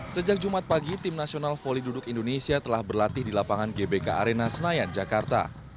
sejak jumat pagi tim nasional volley duduk indonesia telah berlatih di lapangan gbk arena senayan jakarta